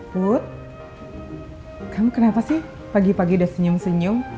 put kamu kenapa sih pagi pagi udah senyum senyum